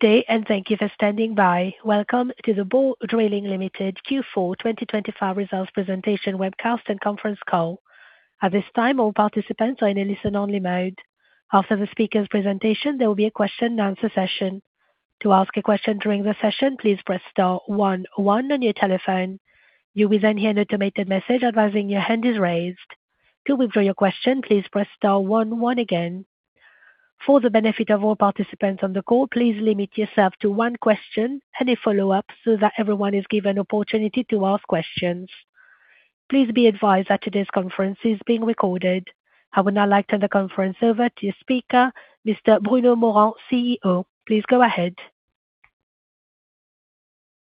Good day, and thank you for standing by. Welcome to the Borr Drilling Limited Q4 2025 results presentation webcast and conference call. At this time, all participants are in a listen-only mode. After the speaker's presentation, there will be a question and answer session. To ask a question during the session, please press star one one on your telephone. You will then hear an automated message advising your hand is raised. To withdraw your question, please press star one one again. For the benefit of all participants on the call, please limit yourself to one question and a follow-up, so that everyone is given opportunity to ask questions. Please be advised that today's conference is being recorded. I would now like to turn the conference over to your speaker, Mr. Bruno Morand, CEO. Please go ahead.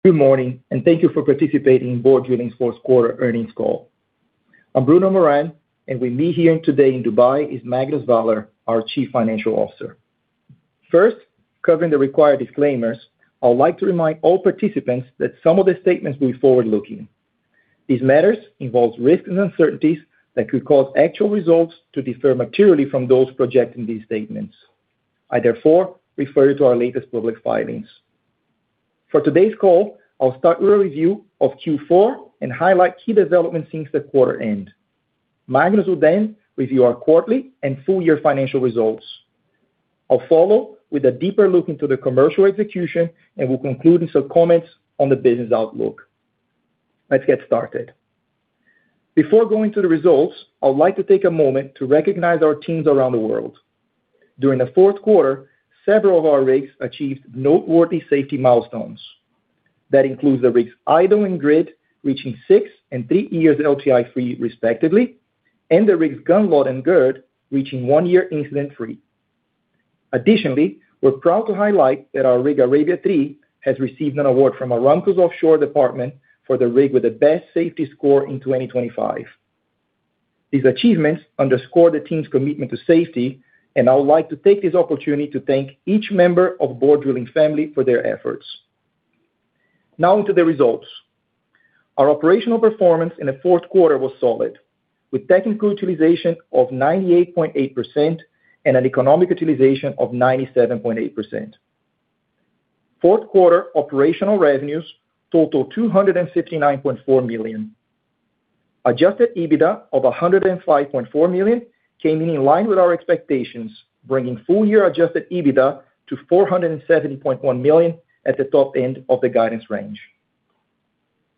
Good morning, and thank you for participating in Borr Drilling's fourth quarter earnings call. I'm Bruno Morand, and with me here today in Dubai is Magnus Vaaler, our Chief Financial Officer. First, covering the required disclaimers, I would like to remind all participants that some of the statements be forward-looking. These matters involves risks and uncertainties that could cause actual results to differ materially from those projecting these statements. I therefore refer you to our latest public filings. For today's call, I'll start with a review of Q4 and highlight key developments since the quarter end. Magnus will then review our quarterly and full year financial results. I'll follow with a deeper look into the commercial execution, and we'll conclude with some comments on the business outlook. Let's get started. Before going to the results, I would like to take a moment to recognize our teams around the world. During the fourth quarter, several of our rigs achieved noteworthy safety milestones. That includes the rigs Ida and Grid, reaching six and three years LTI free, respectively, and the rigs Gunnlod and Grid reaching one year incident-free. Additionally, we're proud to highlight that our rig, Arabia III, has received an award from Aramco's offshore department for the rig with the best safety score in 2025. These achievements underscore the team's commitment to safety, and I would like to take this opportunity to thank each member of Borr Drilling family for their efforts. Now on to the results. Our operational performance in the fourth quarter was solid, with technical utilization of 98.8% and an economic utilization of 97.8%. Fourth quarter operational revenues total $259.4 million. Adjusted EBITDA of $105.4 million came in line with our expectations, bringing full year adjusted EBITDA to $470.1 million at the top end of the guidance range.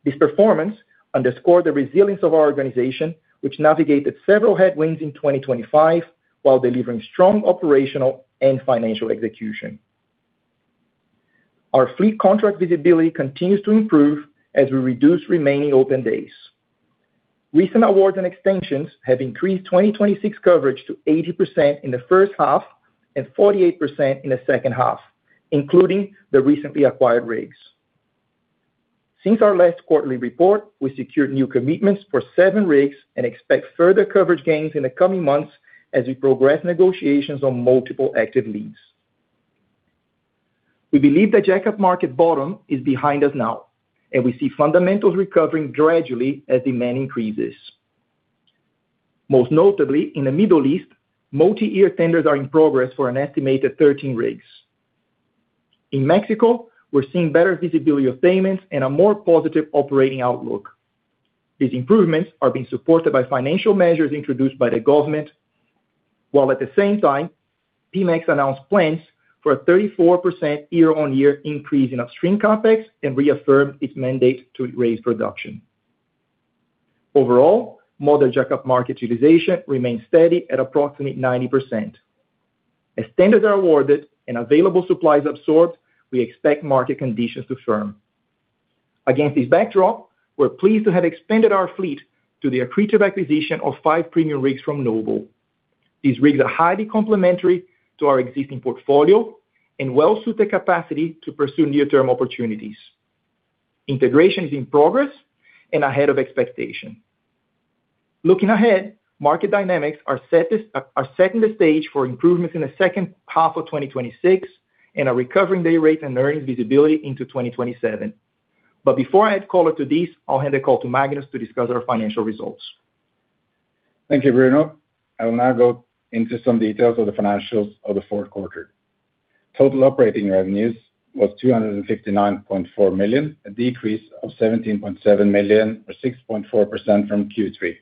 This performance underscored the resilience of our organization, which navigated several headwinds in 2025 while delivering strong operational and financial execution. Our fleet contract visibility continues to improve as we reduce remaining open days. Recent awards and extensions have increased 2026 coverage to 80% in the first half and 48% in the second half, including the recently acquired rigs. Since our last quarterly report, we secured new commitments for seven rigs and expect further coverage gains in the coming months as we progress negotiations on multiple active leads. We believe the jackup market bottom is behind us now, and we see fundamentals recovering gradually as demand increases. Most notably, in the Middle East, multi-year tenders are in progress for an estimated 13 rigs. In Mexico, we're seeing better visibility of payments and a more positive operating outlook. These improvements are being supported by financial measures introduced by the government, while at the same time, Pemex announced plans for a 34% year-on-year increase in upstream CapEx and reaffirmed its mandate to raise production. Overall, model jackup market utilization remains steady at approximately 90%. As tenders are awarded and available supplies absorbed, we expect market conditions to firm. Against this backdrop, we're pleased to have expanded our fleet to the accretive acquisition of 5 premium rigs from Noble. These rigs are highly complementary to our existing portfolio and well suit the capacity to pursue near-term opportunities. Integration is in progress and ahead of expectation. Looking ahead, market dynamics are setting the stage for improvements in the second half of 2026 and a recovering day rate and earnings visibility into 2027. Before I hand call it to this, I'll hand the call to Magnus to discuss our financial results. Thank you, Bruno. I will now go into some details of the financials of the fourth quarter. Total operating revenues was $259.4 million, a decrease of $17.7 million, or 6.4% from Q3.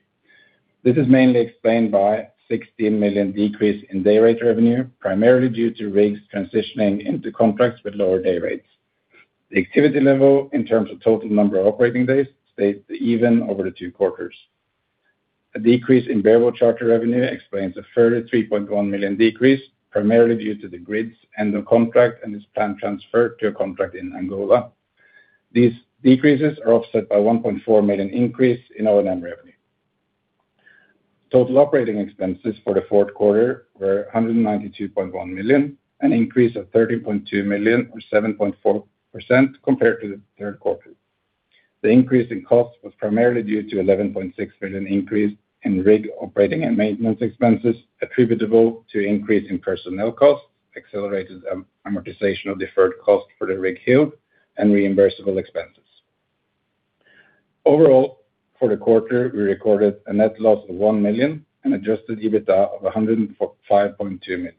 This is mainly explained by $16 million decrease in day rate revenue, primarily due to rigs transitioning into contracts with lower day rates. The activity level, in terms of total number of operating days, stayed even over the two quarters. A decrease in variable charter revenue explains a further $3.1 million decrease, primarily due to the Grid's end of contract and its planned transfer to a contract in Angola. These decreases are offset by $1.4 million increase in O&M revenue. Total operating expenses for the fourth quarter were $192.1 million, an increase of $13.2 million, or 7.4% compared to the third quarter. The increase in cost was primarily due to $11.6 million increase in rig operating and maintenance expenses, attributable to increase in personnel costs, accelerated amortization of deferred costs for the Rig Hild, and reimbursable expenses.... Overall, for the quarter, we recorded a net loss of $1 million and Adjusted EBITDA of $104.5 million.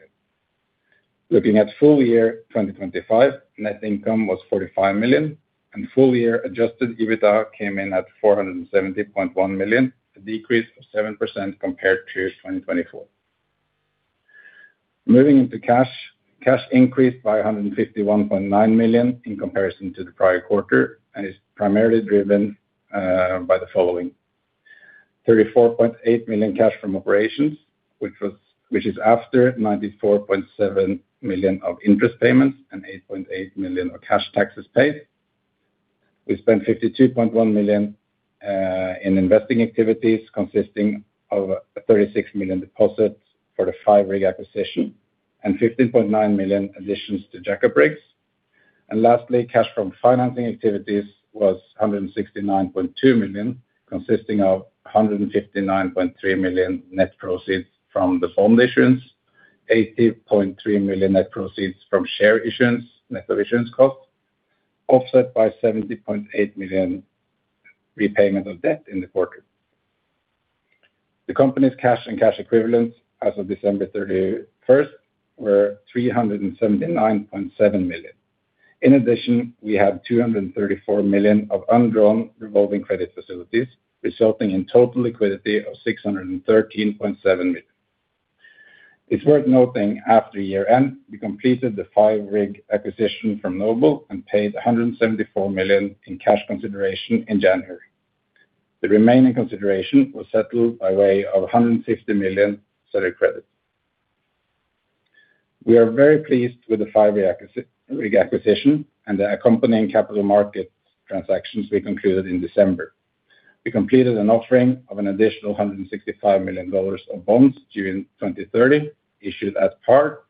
Looking at full year 2025, net income was $45 million, and full year Adjusted EBITDA came in at $470.1 million, a decrease of 7% compared to 2024. Moving into cash. Cash increased by $151.9 million in comparison to the prior quarter and is primarily driven by the following: $34.8 million cash from operations, which was, which is after $94.7 million of interest payments and $8.8 million of cash taxes paid. We spent $52.1 million in investing activities, consisting of $36 million deposits for the five rig acquisition and $15.9 million additions to jack-up rigs. And lastly, cash from financing activities was $169.2 million, consisting of $159.3 million net proceeds from the bond issuance, $80.3 million net proceeds from share issuance, net of issuance cost, offset by $70.8 million repayment of debt in the quarter. The company's cash and cash equivalents as of December thirty-first were $379.7 million. In addition, we have $234 million of undrawn revolving credit facilities, resulting in total liquidity of $613.7 million. It's worth noting, after year-end, we completed the five-rig acquisition from Noble and paid $174 million in cash consideration in January. The remaining consideration was settled by way of a $150 million seller credit. We are very pleased with the five-rig acquisition and the accompanying capital market transactions we concluded in December. We completed an offering of an additional $165 million of bonds during 2030, issued at par.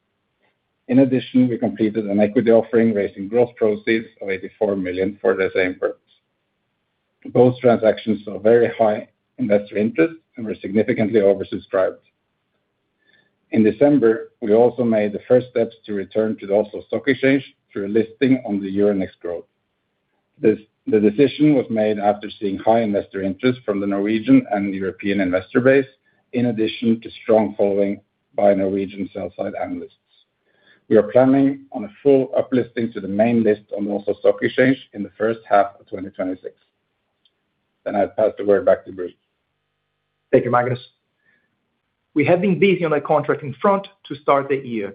In addition, we completed an equity offering, raising gross proceeds of $84 million for the same purpose. Both transactions saw very high investor interest and were significantly oversubscribed. In December, we also made the first steps to return to the Oslo Stock Exchange through a listing on the Euronext Growth. This decision was made after seeing high investor interest from the Norwegian and European investor base, in addition to strong following by Norwegian sell-side analysts. We are planning on a full uplisting to the main list on Oslo Stock Exchange in the first half of 2026. Then I'll pass the word back to Bruno. Thank you, Magnus. We have been busy on the contracting front to start the year.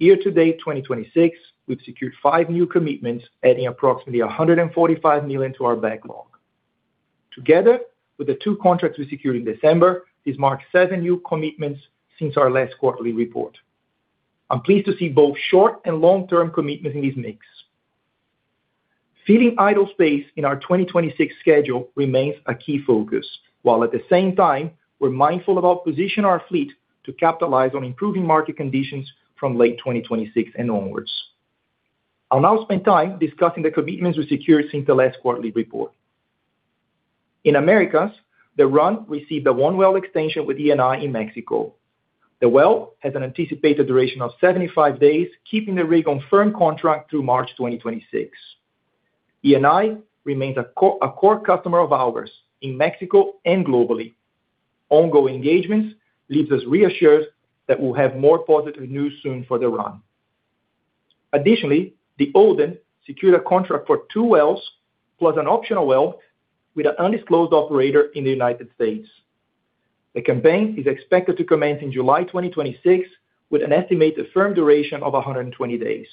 Year to date, 2026, we've secured five new commitments, adding approximately $145 million to our backlog. Together, with the two contracts we secured in December, this marks seven new commitments since our last quarterly report. I'm pleased to see both short and long-term commitment in this mix. Filling idle space in our 2026 schedule remains a key focus, while at the same time, we're mindful about positioning our fleet to capitalize on improving market conditions from late 2026 and onwards. I'll now spend time discussing the commitments we've secured since the last quarterly report. In Americas, the Ran received a one-well extension with Eni in Mexico. The well has an anticipated duration of 75 days, keeping the rig on firm contract through March 2026. Eni remains a core customer of ours in Mexico and globally. Ongoing engagements leaves us reassured that we'll have more positive news soon for the Ran. Additionally, the Odin secured a contract for two wells, plus an optional well with an undisclosed operator in the United States. The campaign is expected to commence in July 2026, with an estimated firm duration of 120 days.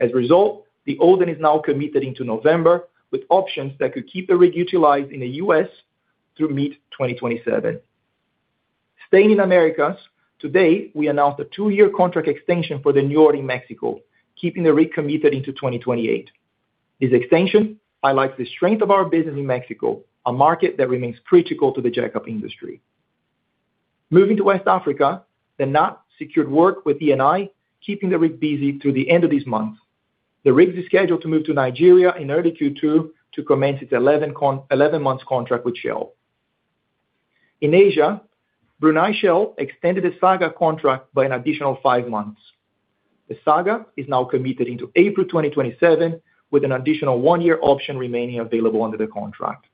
As a result, the Odin is now committed into November, with options that could keep the rig utilized in the U.S. through mid-2027. Staying in Americas, today, we announced a two-year contract extension for the New York in Mexico, keeping the rig committed into 2028. This extension highlights the strength of our business in Mexico, a market that remains critical to the jack-up industry. Moving to West Africa, the Natt secured work with Eni, keeping the rig busy through the end of this month. The rig is scheduled to move to Nigeria in early Q2 to commence its 11-month contract with Shell. In Asia, Brunei Shell extended the Saga contract by an additional five months. The Saga is now committed into April 2027, with an additional one-year option remaining available under the contract.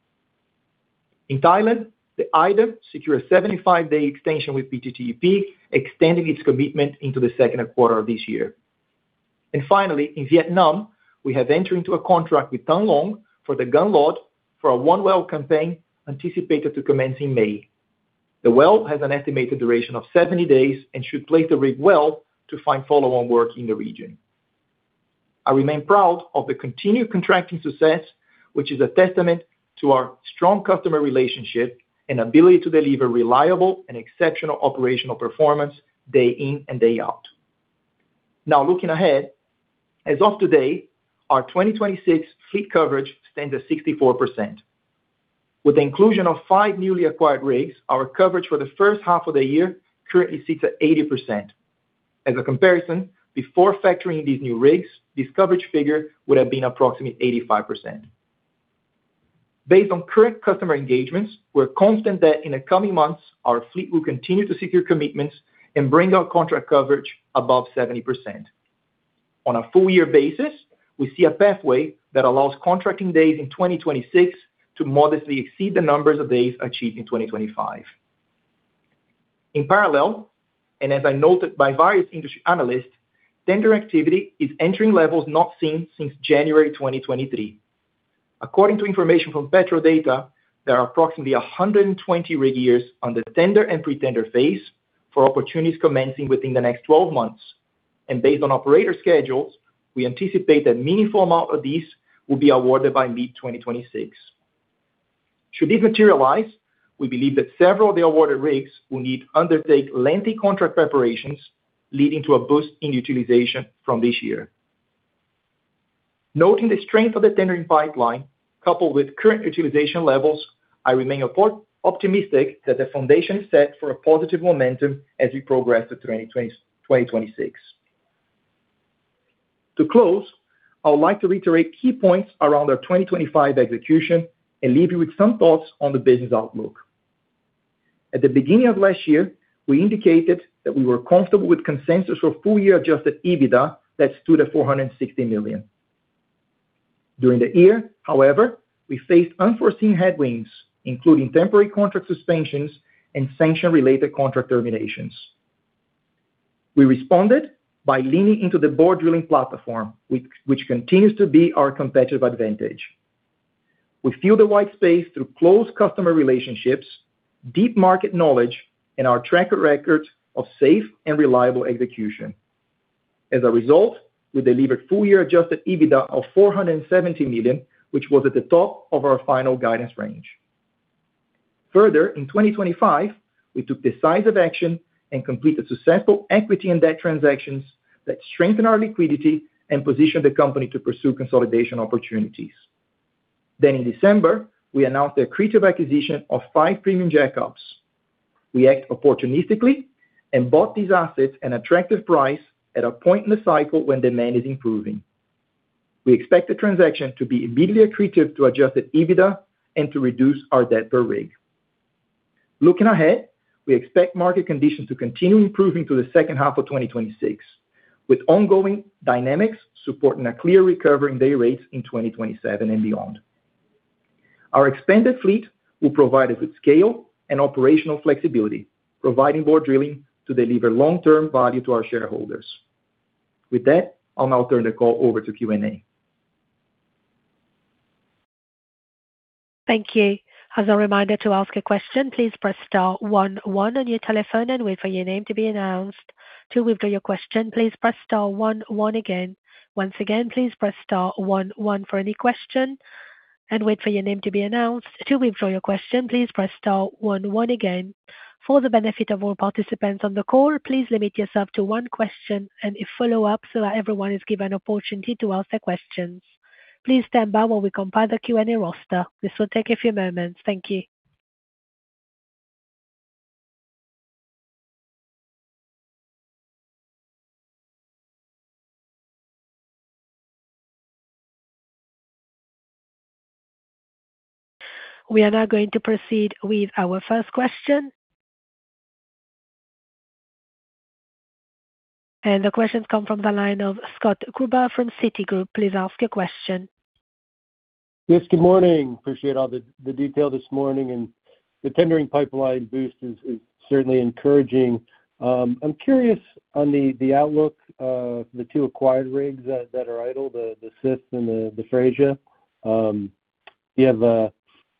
In Thailand, the Ida secured a 75-day extension with PTTEP, extending its commitment into the second quarter of this year. Finally, in Vietnam, we have entered into a contract with Thang Long for the Gunnlod for a one-well campaign anticipated to commence in May. The well has an estimated duration of 70 days and should place the rig well to find follow-on work in the region. I remain proud of the continued contracting success, which is a testament to our strong customer relationship and ability to deliver reliable and exceptional operational performance day in and day out. Now, looking ahead, as of today, our 2026 fleet coverage stands at 64%. With the inclusion of five newly acquired rigs, our coverage for the first half of the year currently sits at 80%. As a comparison, before factoring these new rigs, this coverage figure would have been approximately 85%. Based on current customer engagements, we're confident that in the coming months, our fleet will continue to secure commitments and bring our contract coverage above 70%. On a full year basis, we see a pathway that allows contracting days in 2026 to modestly exceed the numbers of days achieved in 2025. In parallel, and as I noted by various industry analysts, tender activity is entering levels not seen since January 2023. According to information from Petrodata, there are approximately 120 rig years on the tender and pre-tender phase for opportunities commencing within the next 12 months, and based on operator schedules, we anticipate that meaningful amount of these will be awarded by mid-2026. Should this materialize, we believe that several of the awarded rigs will need to undertake lengthy contract preparations, leading to a boost in utilization from this year. Noting the strength of the tendering pipeline, coupled with current utilization levels, I remain optimistic that the foundation is set for a positive momentum as we progress to 2026. To close, I would like to reiterate key points around our 2025 execution and leave you with some thoughts on the business outlook. At the beginning of last year, we indicated that we were comfortable with consensus for full year Adjusted EBITDA that stood at $460 million. During the year, however, we faced unforeseen headwinds, including temporary contract suspensions and sanction-related contract terminations. We responded by leaning into the Borr Drilling platform, which continues to be our competitive advantage. We fill the white space through close customer relationships, deep market knowledge, and our track record of safe and reliable execution. As a result, we delivered full year Adjusted EBITDA of $470 million, which was at the top of our final guidance range. Further, in 2025, we took decisive action and completed successful equity and debt transactions that strengthened our liquidity and positioned the company to pursue consolidation opportunities. Then in December, we announced the accretive acquisition of 5 premium jackups. We act opportunistically and bought these assets at an attractive price at a point in the cycle when demand is improving. We expect the transaction to be immediately accretive to Adjusted EBITDA and to reduce our debt per rig. Looking ahead, we expect market conditions to continue improving through the second half of 2026, with ongoing dynamics supporting a clear recovery in day rates in 2027 and beyond. Our expanded fleet will provide us with scale and operational flexibility, providing Borr Drilling to deliver long-term value to our shareholders. With that, I'll now turn the call over to Q&A. Thank you. As a reminder, to ask a question, please press star one one on your telephone and wait for your name to be announced. To withdraw your question, please press star one one again. Once again, please press star one one for any question and wait for your name to be announced. To withdraw your question, please press star one one again. For the benefit of all participants on the call, please limit yourself to one question and a follow-up so that everyone is given an opportunity to ask their questions. Please stand by while we compile the Q&A roster. This will take a few moments. Thank you. We are now going to proceed with our first question. The question comes from the line of Scott Gruber from Citigroup. Please ask your question. Yes, good morning. Appreciate all the detail this morning, and the tendering pipeline boost is certainly encouraging. I'm curious on the outlook of the two acquired rigs that are idle, the Sif and the Freyja. Do you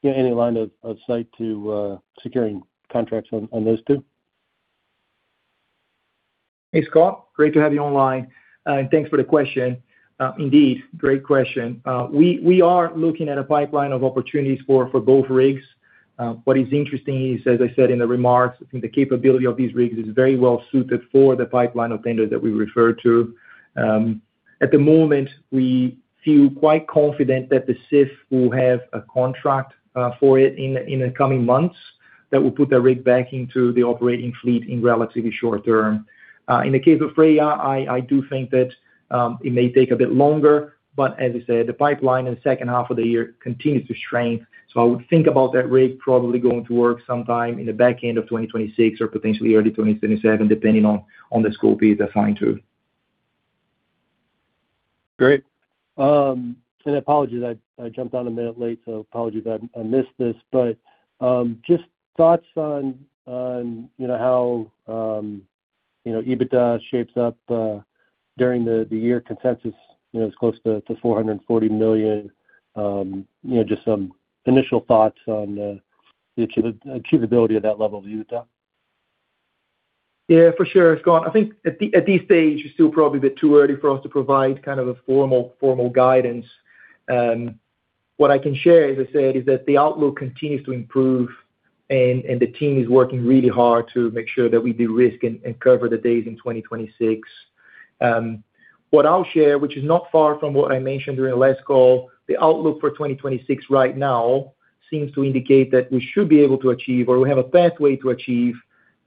have any line of sight to securing contracts on those two? Hey, Scott, great to have you online, and thanks for the question. Indeed, great question. We are looking at a pipeline of opportunities for both rigs. What is interesting is, as I said in the remarks, I think the capability of these rigs is very well suited for the pipeline of tenders that we referred to. At the moment, we feel quite confident that the Sif will have a contract for it in the coming months that will put the rig back into the operating fleet in relatively short term. In the case of Freyja, I do think that it may take a bit longer, but as I said, the pipeline in the second half of the year continues to strengthen. So I would think about that rig probably going to work sometime in the back end of 2026 or potentially early 2027, depending on the scope is assigned to. Great. Apologies, I jumped on a minute late, so apologies I missed this, but just thoughts on you know how you know EBITDA shapes up during the year. Consensus you know is close to $440 million. You know just some initial thoughts on the achievability of that level of EBITDA. Yeah, for sure, Scott. I think at this stage, it's still probably a bit too early for us to provide kind of a formal, formal guidance. What I can share, as I said, is that the outlook continues to improve and, and the team is working really hard to make sure that we de-risk and, and cover the days in 2026. What I'll share, which is not far from what I mentioned during the last call, the outlook for 2026 right now seems to indicate that we should be able to achieve, or we have a pathway to achieve,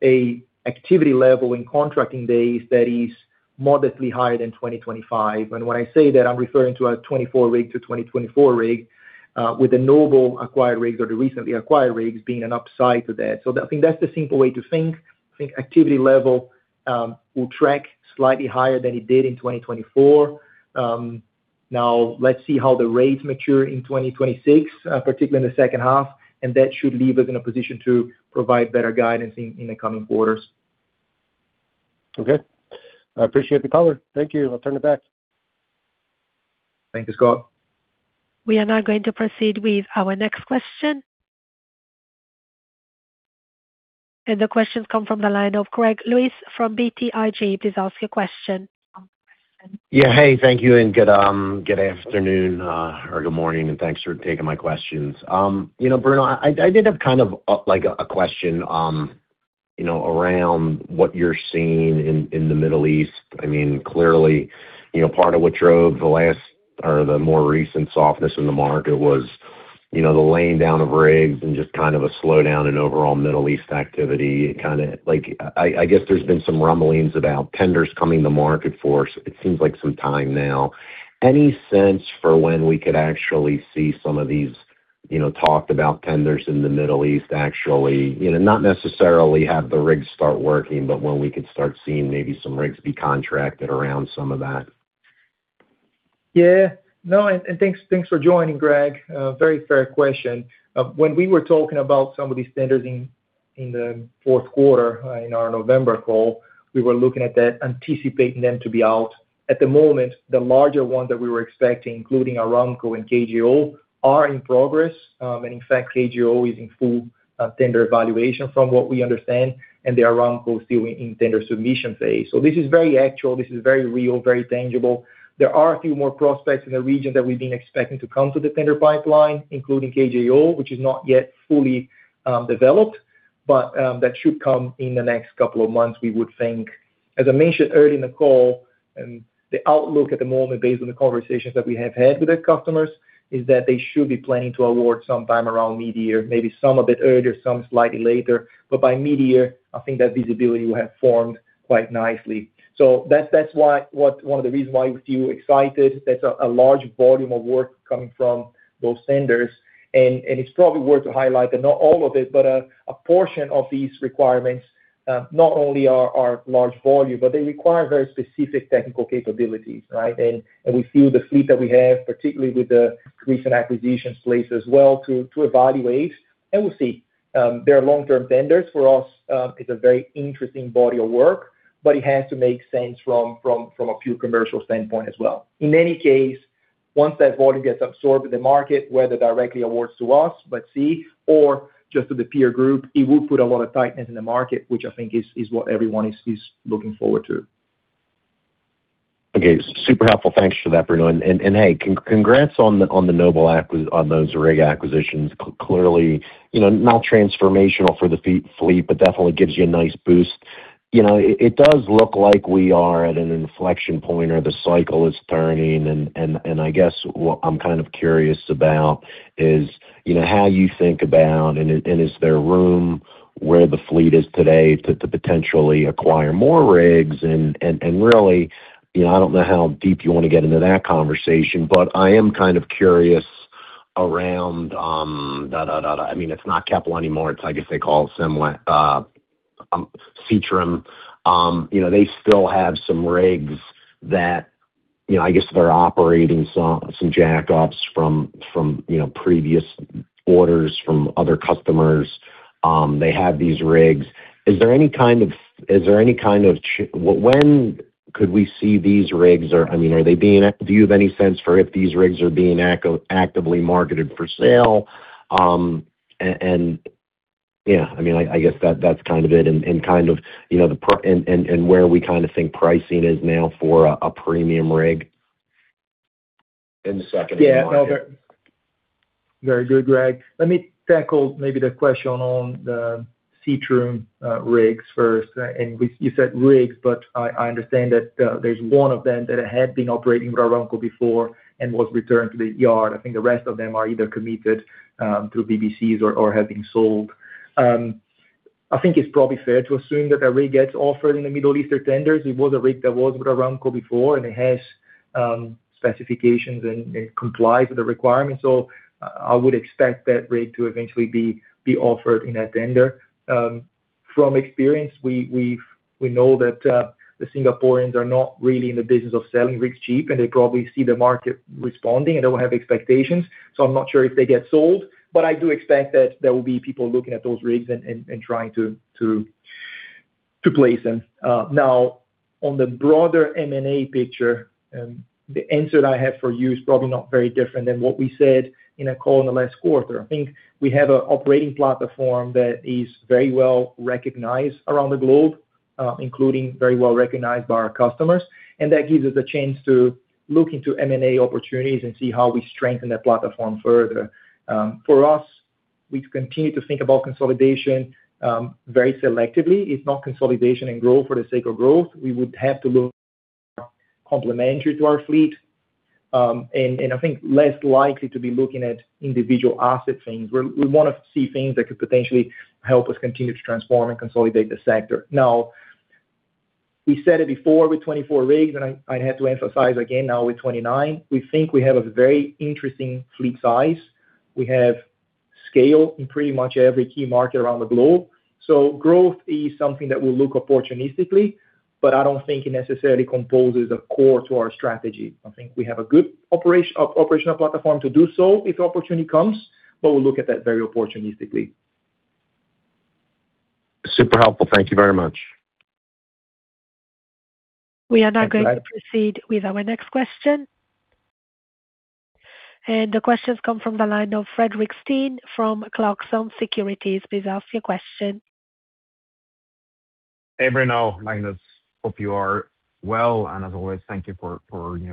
a activity level in contracting days that is modestly higher than 2025. And when I say that, I'm referring to a 24-rig to 24-rig, with the Noble acquired rigs or the recently acquired rigs being an upside to that. So I think that's the simple way to think. I think activity level will track slightly higher than it did in 2024. Now, let's see how the rates mature in 2026, particularly in the second half, and that should leave us in a position to provide better guidance in the coming quarters. Okay. I appreciate the color. Thank you. I'll turn it back. Thank you, Scott. We are now going to proceed with our next question. The question comes from the line of Greg Lewis from BTIG. Please ask your question. Yeah. Hey, thank you, and good afternoon or good morning, and thanks for taking my questions. You know, Bruno, I did have kind of a like a question, you know, around what you're seeing in the Middle East. I mean, clearly, you know, part of what drove the last or the more recent softness in the market was, you know, the laying down of rigs and just kind of a slowdown in overall Middle East activity. It kind of like, I guess there's been some rumblings about tenders coming to market for us, it seems like some time now. Any sense for when we could actually see some of these, you know, talked about tenders in the Middle East, actually, you know, not necessarily have the rigs start working, but when we could start seeing maybe some rigs be contracted around some of that? Yeah. No, and, and thanks, thanks for joining, Greg. Very fair question. When we were talking about some of these tenders in, in the fourth quarter, in our November call, we were looking at that, anticipating them to be out. At the moment, the larger ones that we were expecting, including Aramco and KOC, are in progress, and in fact, KOC is in full, tender evaluation from what we understand, and the Aramco still in tender submission phase. So this is very actual, this is very real, very tangible. There are a few more prospects in the region that we've been expecting to come to the tender pipeline, including KOC, which is not yet fully, developed, but, that should come in the next couple of months, we would think. As I mentioned earlier in the call. The outlook at the moment, based on the conversations that we have had with their customers, is that they should be planning to award sometime around midyear, maybe some a bit earlier, some slightly later, but by midyear, I think that visibility will have formed quite nicely. So that's, that's why, what one of the reasons why we feel excited. That's a large volume of work coming from those tenders, and it's probably worth to highlight that not all of it, but a portion of these requirements, not only are large volume, but they require very specific technical capabilities, right? And we feel the fleet that we have, particularly with the recent acquisitions placed as well, to evaluate, and we'll see. There are long-term tenders. For us, it's a very interesting body of work, but it has to make sense from a pure commercial standpoint as well. In any case, once that volume gets absorbed in the market, whether directly awards to us, but see, or just to the peer group, it will put a lot of tightness in the market, which I think is what everyone is looking forward to. Okay, super helpful. Thanks for that, Bruno. Hey, congrats on the Noble acquisitions. Clearly, you know, not transformational for the fleet, but definitely gives you a nice boost. You know, it does look like we are at an inflection point or the cycle is turning, and I guess what I'm kind of curious about is, you know, how you think about and is there room where the fleet is today to potentially acquire more rigs? And really, you know, I don't know how deep you want to get into that conversation, but I am kind of curious around, I mean, it's not Capital anymore, it's I guess they call it Seatrium. You know, they still have some rigs that, you know, I guess they're operating some, some jackups from, from, you know, previous orders from other customers. They have these rigs. Is there any kind of, is there any kind of when could we see these rigs are... I mean, are they being-- do you have any sense for if these rigs are being actively marketed for sale? And, and yeah, I mean, I, I guess that's, that's kind of it and, and, and where we kind of think pricing is now for a, a premium rig in the second market? Yeah. No, very good, Greg. Let me tackle maybe the question on the Seatrium rigs first. You said rigs, but I understand that there's one of them that had been operating with Aramco before and was returned to the yard. I think the rest of them are either committed through BBCs or have been sold. I think it's probably fair to assume that the rig gets offered in the Middle East or tenders. It was a rig that was with Aramco before, and it has specifications and complies with the requirements, so I would expect that rig to eventually be offered in that tender. From experience, we know that the Singaporeans are not really in the business of selling rigs cheap, and they probably see the market responding, and they will have expectations. So I'm not sure if they get sold, but I do expect that there will be people looking at those rigs and trying to place them. Now, on the broader M&A picture, the answer I have for you is probably not very different than what we said in a call in the last quarter. I think we have an operating platform that is very well recognized around the globe, including very well recognized by our customers, and that gives us a chance to look into M&A opportunities and see how we strengthen that platform further. For us, we continue to think about consolidation very selectively. It's not consolidation and growth for the sake of growth. We would have to look complementary to our fleet, and I think less likely to be looking at individual asset things. We wanna see things that could potentially help us continue to transform and consolidate the sector. Now, we said it before with 24 rigs, and I have to emphasize again, now with 29, we think we have a very interesting fleet size. We have scale in pretty much every key market around the globe. So growth is something that we'll look opportunistically, but I don't think it necessarily composes a core to our strategy. I think we have a good operational platform to do so if the opportunity comes, but we'll look at that very opportunistically. Super helpful. Thank you very much. We are now going to proceed with our next question. The question comes from the line of Fredrik Steen from Clarkson Securities. Please ask your question. Hey, Bruno, Magnus. Hope you are well, and as always, thank you for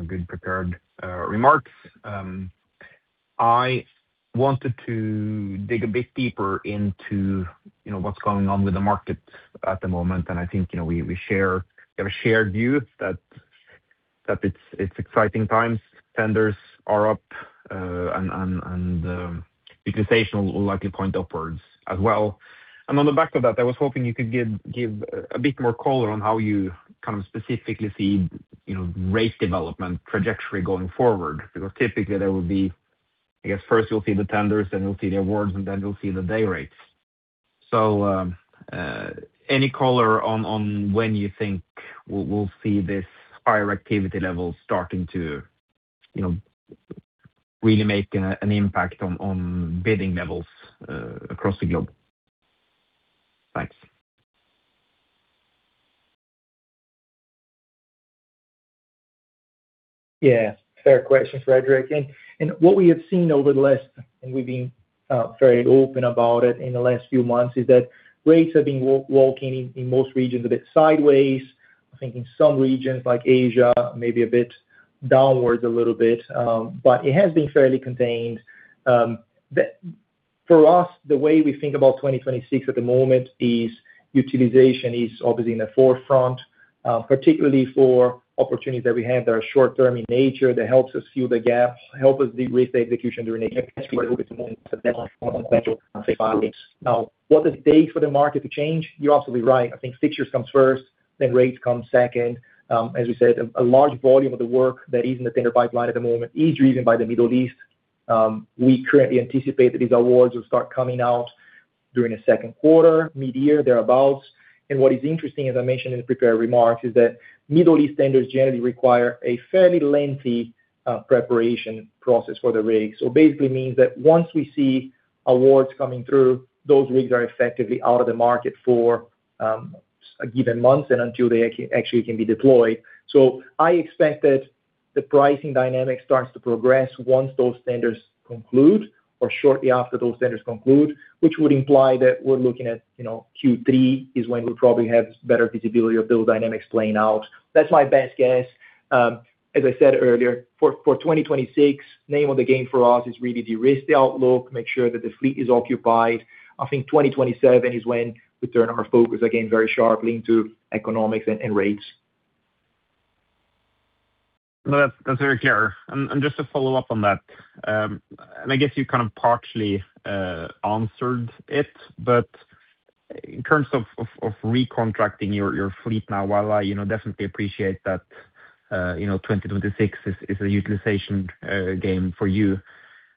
good prepared remarks. I wanted to dig a bit deeper into what's going on with the market at the moment, and I think we share a view that it's exciting times. Tenders are up, and utilization will likely point upwards as well. On the back of that, I was hoping you could give a bit more color on how you kind of specifically see rate development trajectory going forward. Because typically there will be, I guess, first you'll see the tenders, then you'll see the awards, and then you'll see the day rates. So, any color on when you think we'll see this higher activity level starting to, you know, really make an impact on bidding levels across the globe? Thanks. Yeah, fair question, Fredrik. And what we have seen over the last, and we've been very open about it in the last few months, is that rates have been walking in most regions a bit sideways. I think in some regions like Asia, maybe a bit downwards a little bit, but it has been fairly contained. For us, the way we think about 2026 at the moment is utilization is obviously in the forefront, particularly for opportunities that we have that are short term in nature, that helps us seal the gap, help us de-risk the execution during a Now, what does it take for the market to change? You're absolutely right. I think fixtures comes first, then rates come second. As we said, a large volume of the work that is in the tender pipeline at the moment is driven by the Middle East. We currently anticipate that these awards will start coming out during the second quarter, mid-year, thereabout. And what is interesting, as I mentioned in the prepared remarks, is that Middle East tenders generally require a fairly lengthy preparation process for the rig. So basically means that once we see awards coming through, those rigs are effectively out of the market for a given month and until they actually can be deployed. So I expect that the pricing dynamic starts to progress once those tenders conclude, or shortly after those tenders conclude, which would imply that we're looking at, you know, Q3 is when we'll probably have better visibility of build dynamics playing out. That's my best guess. As I said earlier, for 2026, name of the game for us is really de-risk the outlook, make sure that the fleet is occupied. I think 2027 is when we turn our focus again, very sharply into economics and rates. No, that's very clear. And just to follow up on that, and I guess you kind of partially answered it, but in terms of recontracting your fleet now, while I, you know, definitely appreciate that, you know, 2026 is a utilization game for you,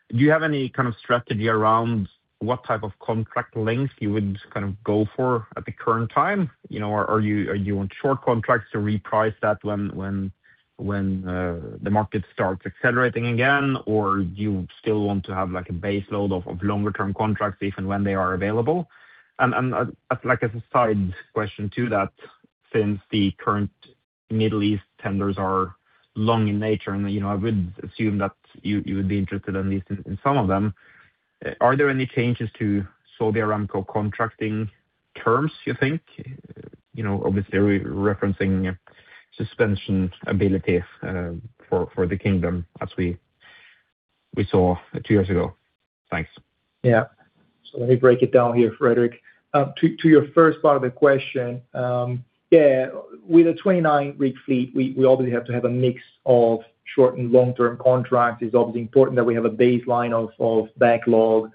do you have any kind of strategy around what type of contract length you would kind of go for at the current time? You know, are you on short contracts to reprice that when the market starts accelerating again, or do you still want to have, like, a base load of longer term contracts, if and when they are available? And, like as a side question to that, since the current Middle East tenders are long in nature, and, you know, I would assume that you would be interested in at least in some of them, are there any changes to Saudi Aramco contracting terms, you think? You know, obviously, we're referencing suspension ability, for the kingdom as we saw two years ago. Thanks. Yeah. So let me break it down here, Fredrik. To your first part of the question, yeah, with a 29 rig fleet, we, we obviously have to have a mix of short and long-term contracts. It's obviously important that we have a baseline of backlog.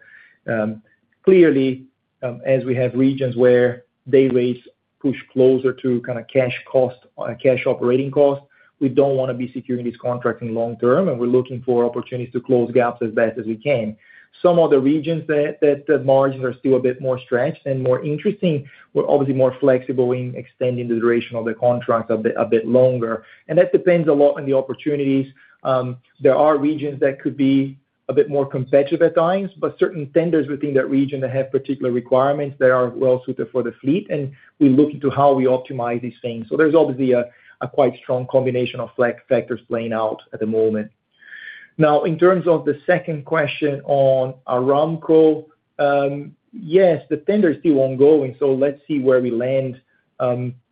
Clearly, as we have regions where day rates push closer to kind of cash costs, cash operating costs, we don't want to be securing these contracts in long term, and we're looking for opportunities to close gaps as best as we can. Some of the regions that, that the margins are still a bit more stretched and more interesting, we're obviously more flexible in extending the duration of the contract a bit, a bit longer. And that depends a lot on the opportunities. There are regions that could be a bit more competitive at times, but certain tenders within that region that have particular requirements that are well suited for the fleet, and we look into how we optimize these things. So there's obviously a quite strong combination of flex factors playing out at the moment. Now, in terms of the second question on Aramco, yes, the tender is still ongoing, so let's see where we land.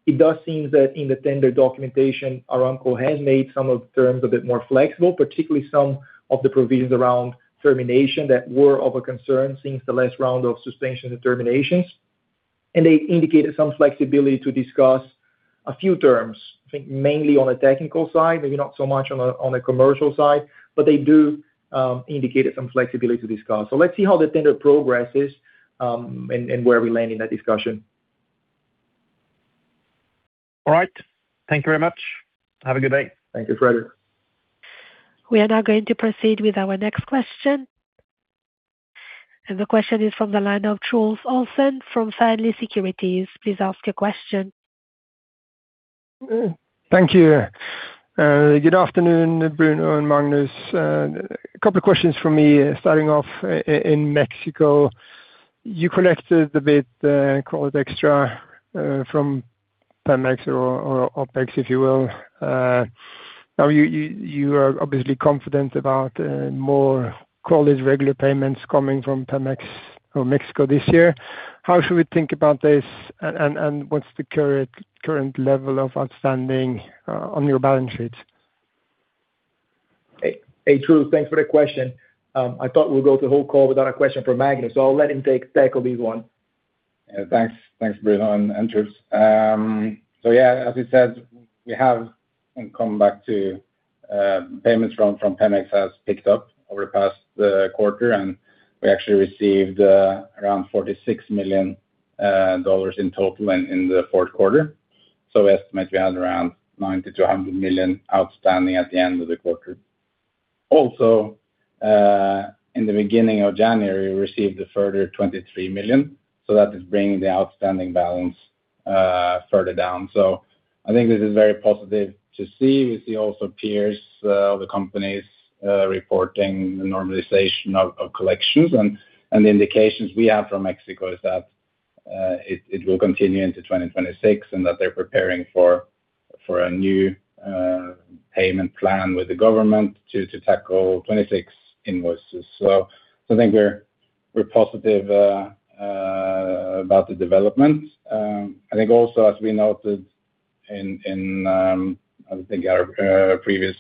It does seem that in the tender documentation, Aramco has made some of the terms a bit more flexible, particularly some of the provisions around termination that were of a concern since the last round of suspension and terminations. They indicated some flexibility to discuss a few terms, I think mainly on the technical side, maybe not so much on the commercial side, but they do indicate some flexibility to discuss. So let's see how the tender progresses, and where we land in that discussion.... All right, thank you very much. Have a good day. Thank you, Fredrik. We are now going to proceed with our next question. The question is from the line of Truls Olsen from Fearnley Securities. Please ask your question. Thank you. Good afternoon, Bruno and Magnus. A couple of questions from me, starting off in Mexico, you collected a bit, call it extra, from Pemex or OpEx, if you will. Now, you are obviously confident about more collect regular payments coming from Pemex in Mexico this year. How should we think about this, and what's the current level of outstanding on your balance sheet? Hey, hey, Truls, thanks for the question. I thought we'd go the whole call without a question for Magnus, so I'll let him tackle this one. Yeah, thanks. Thanks, Bruno, and Truls. So yeah, as you said, we have come back to payments from Pemex has picked up over the past quarter, and we actually received around $46 million in total in the fourth quarter. So we estimate we had around $90 million-$100 million outstanding at the end of the quarter. Also, in the beginning of January, we received a further $23 million, so that is bringing the outstanding balance further down. So I think this is very positive to see. We see also peers, other companies, reporting the normalization of collections, and the indications we have from Mexico is that it will continue into 2026, and that they're preparing for a new payment plan with the government to tackle 2026 invoices. So I think we're positive about the development. I think also, as we noted in our previous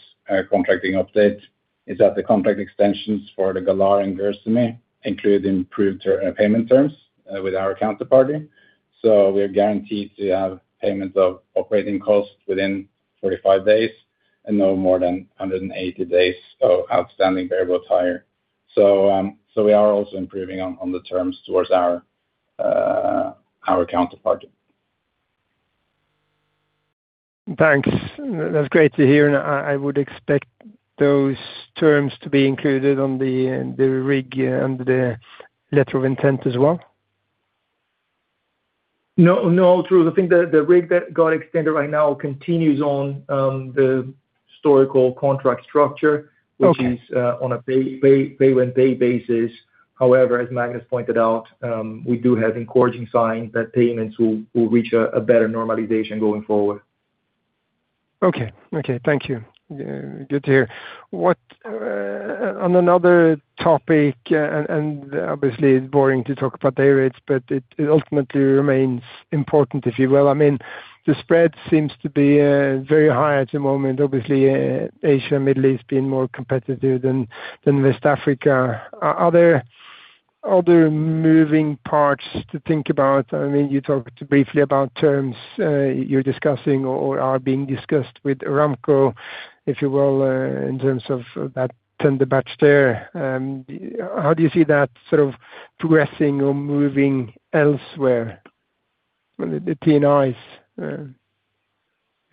contracting update, is that the contract extensions for the Galar and Gersemi include improved payment terms with our counterparty. So we're guaranteed to have payments of operating costs within 45 days and no more than 180 days of outstanding variable rate. So we are also improving on the terms towards our counterparty. Thanks. That's great to hear, and I would expect those terms to be included on the rig and the letter of intent as well. No, no, Truls, I think the, the rig that got extended right now continues on, the historical contract structure- Okay. - which is on a pay-one-day basis. However, as Magnus pointed out, we do have encouraging signs that payments will reach a better normalization going forward. Okay. Okay, thank you. Good to hear. What on another topic, and obviously, it's boring to talk about day rates, but it ultimately remains important, if you will. I mean, the spread seems to be very high at the moment, obviously, Asia and Middle East being more competitive than West Africa. Are other moving parts to think about? I mean, you talked briefly about terms, you're discussing or are being discussed with Aramco, if you will, in terms of that tender batch there. How do you see that sort of progressing or moving elsewhere, the TNIs, if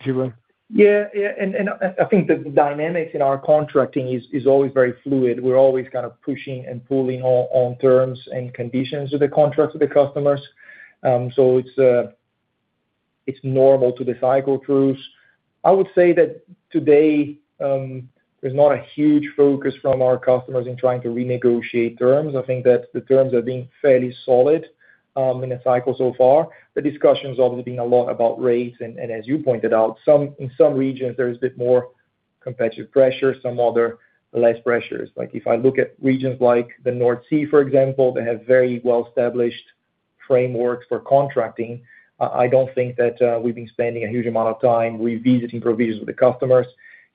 you will? Yeah, yeah, and I think the dynamics in our contracting is always very fluid. We're always kind of pushing and pulling on terms and conditions of the contract with the customers. So it's normal to the cycle, Truls. I would say that today, there's not a huge focus from our customers in trying to renegotiate terms. I think that the terms are being fairly solid in the cycle so far. The discussion's obviously been a lot about rates, and as you pointed out, in some regions, there's a bit more competitive pressure, some other less pressures. Like, if I look at regions like the North Sea, for example, they have very well-established frameworks for contracting. I don't think that we've been spending a huge amount of time revisiting provisions with the customers.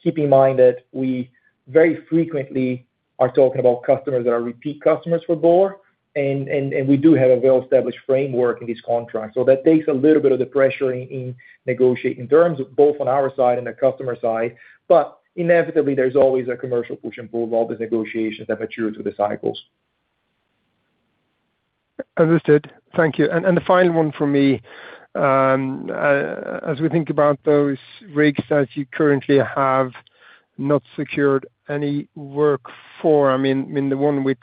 Keep in mind that we very frequently are talking about customers that are repeat customers for Borr, and we do have a well-established framework in this contract. So that takes a little bit of the pressure in negotiating terms, both on our side and the customer side. But inevitably, there's always a commercial push and pull, all the negotiations that mature through the cycles. Understood. Thank you. And the final one for me, as we think about those rigs that you currently have not secured any work for, I mean, the one which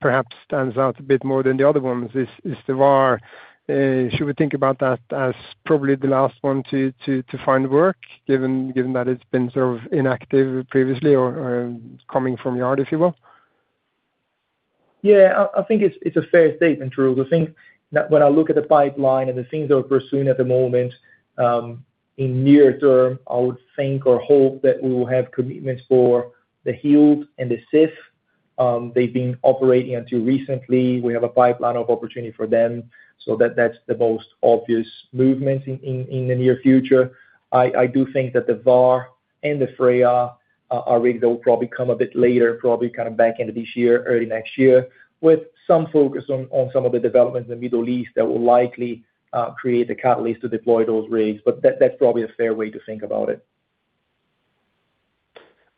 perhaps stands out a bit more than the other ones is the Var. Should we think about that as probably the last one to find work, given that it's been sort of inactive previously or coming from yard, if you will? Yeah, I think it's a fair statement, Truls. I think that when I look at the pipeline and the things that we're pursuing at the moment, in near term, I would think or hope that we will have commitments for the Hild and the Sif. They've been operating until recently. We have a pipeline of opportunity for them, so that's the most obvious movement in the near future. I do think that the Var and the Freyja are rigs that will probably come a bit later, probably kind of back end of this year, early next year, with some focus on some of the developments in the Middle East that will likely create the catalyst to deploy those rigs. But that's probably a fair way to think about it....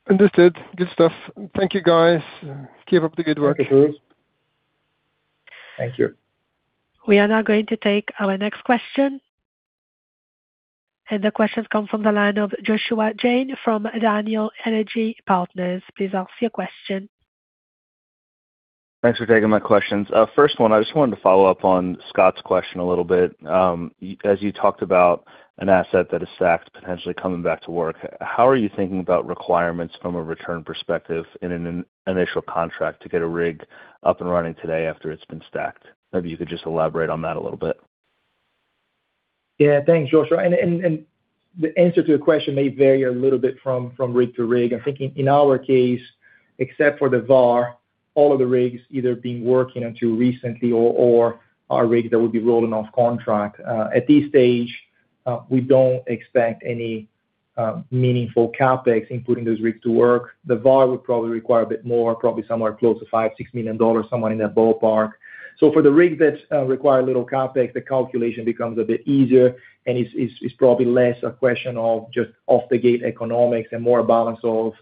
Understood. Good stuff. Thank you, guys. Keep up the good work. Thank you. We are now going to take our next question. The question comes from the line of Joshua Jayne from Daniel Energy Partners. Please ask your question. Thanks for taking my questions. First one, I just wanted to follow up on Scott's question a little bit. As you talked about an asset that is stacked, potentially coming back to work, how are you thinking about requirements from a return perspective in an initial contract to get a rig up and running today after it's been stacked? Maybe you could just elaborate on that a little bit. Yeah, thanks, Joshua. And the answer to your question may vary a little bit from rig to rig. I'm thinking in our case, except for the Var, all of the rigs either been working until recently or are rigs that will be rolling off contract. At this stage, we don't expect any meaningful CapEx, including those rigs to work. The Var would probably require a bit more, probably somewhere close to $5-$6 million, somewhere in that ballpark. So for the rigs that require a little CapEx, the calculation becomes a bit easier, and it's probably less a question of just off-the-gate economics and more balance of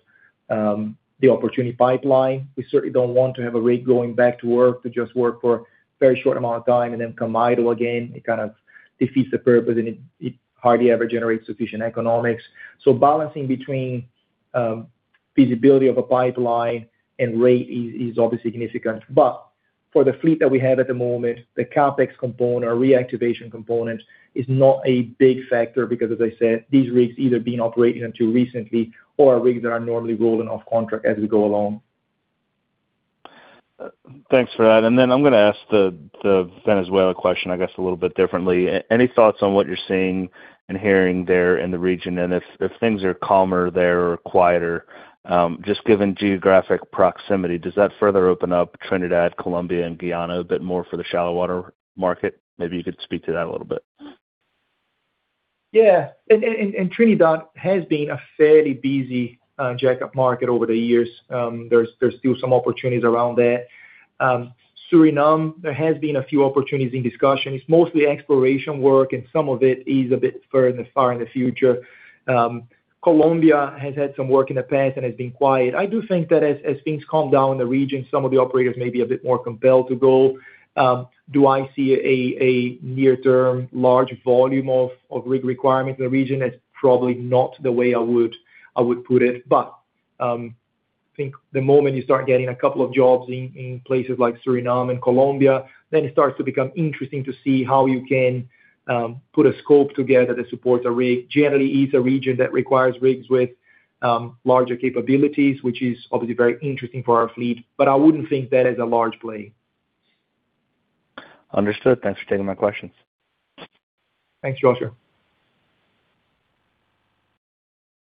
the opportunity pipeline. We certainly don't want to have a rig going back to work to just work for a very short amount of time and then come idle again. It kind of defeats the purpose, and it hardly ever generates sufficient economics. So balancing between feasibility of a pipeline and rate is obviously significant. But for the fleet that we have at the moment, the CapEx component or reactivation component is not a big factor, because, as I said, these rigs either been operating until recently or are rigs that are normally rolling off contract as we go along. Thanks for that. Then I'm gonna ask the Venezuela question, I guess, a little bit differently. Any thoughts on what you're seeing and hearing there in the region? And if things are calmer there or quieter, just given geographic proximity, does that further open up Trinidad, Colombia, and Guyana a bit more for the shallow water market? Maybe you could speak to that a little bit. Yeah. And Trinidad has been a fairly busy jackup market over the years. There's still some opportunities around that. Suriname, there has been a few opportunities in discussion. It's mostly exploration work, and some of it is a bit further far in the future. Colombia has had some work in the past and has been quiet. I do think that as things calm down in the region, some of the operators may be a bit more compelled to go. Do I see a near-term large volume of rig requirements in the region? That's probably not the way I would put it. But, I think the moment you start getting a couple of jobs in places like Suriname and Colombia, then it starts to become interesting to see how you can put a scope together that supports a rig. Generally, it's a region that requires rigs with larger capabilities, which is obviously very interesting for our fleet, but I wouldn't think that is a large play. Understood. Thanks for taking my questions. Thanks, Joshua.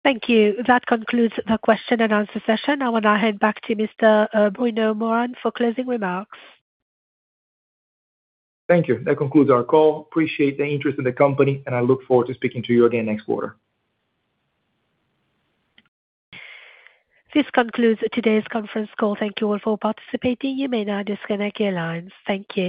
Thank you. That concludes the question and answer session. I want to hand back to Mr. Bruno Morand for closing remarks. Thank you. That concludes our call. Appreciate the interest in the company, and I look forward to speaking to you again next quarter. This concludes today's conference call. Thank you all for participating. You may now disconnect your lines. Thank you.